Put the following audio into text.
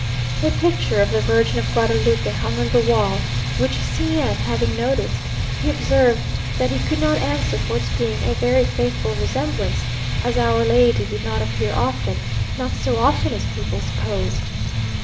A picture of the Virgin of Guadalupe hung on the wall, which C n having noticed, he observed that he could not answer for its being a very faithful resemblance, as Our Lady did not appear often, not so often as people supposed.